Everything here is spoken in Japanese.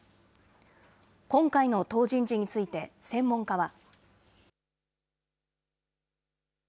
今回の党人事について専門家は。